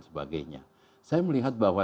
sebagainya saya melihat bahwa